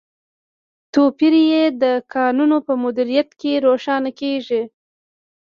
توپیر یې د کانونو په مدیریت کې روښانه کیږي.